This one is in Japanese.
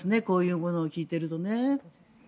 こういうのを聞いているとね。